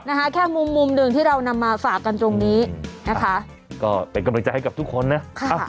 นะคะแค่มุมมุมหนึ่งที่เรานำมาฝากกันตรงนี้นะคะก็เป็นกำลังใจให้กับทุกคนนะค่ะ